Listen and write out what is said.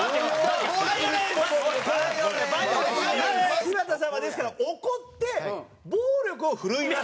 柴田さんは、ですから、怒って暴力を振るいます。